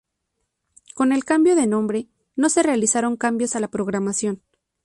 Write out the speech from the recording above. Con el cambio de nombre, no se realizaron cambios a la programación.